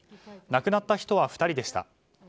亡くなった人は２人でした。